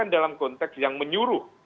di konteks yang menyuruh